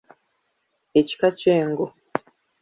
Ekika ky'Engo.